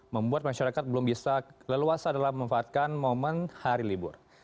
membuat masyarakat belum bisa leluasa dalam memanfaatkan momen hari libur